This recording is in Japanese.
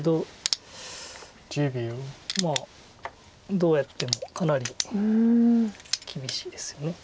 まあどうやってもかなり厳しいですよね。